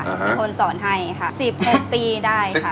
ผู้นำคนส่วนให้สัก๑๖ปีได้